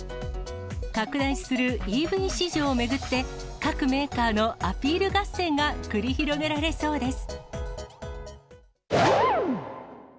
拡大するＥＶ市場を巡って、各メーカーのアピール合戦が繰り広げられそうです。